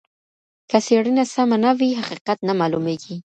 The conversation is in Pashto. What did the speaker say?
که څېړنه سمه نه وي حقیقت نه معلوميږي.